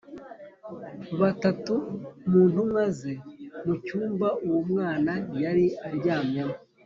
batatu mu ntumwa ze mu cyumba uwo mwana yari aryamyemo